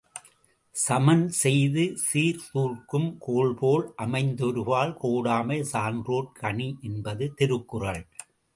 சமன்செய்து சீர்தூக்கும் கோல்போல் அமைந்தொருபால் கோடாமை சான்றோர்க் கணி என்பது திருக்குறள்.